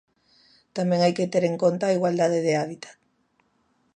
Tamén hai que ter en conta a igualdade de hábitat.